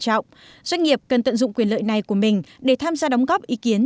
doanh nghiệp cần tận dụng quyền lợi này của mình để tham gia đóng góp ý kiến